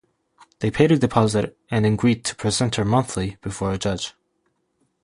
They paid a deposit and agreed to present her monthly before a judge.